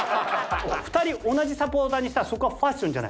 ２人同じサポーターにしたらそこはファッションじゃない。